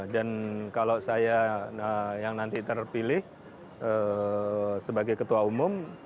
dan kalau saya yang nanti terpilih sebagai ketua umum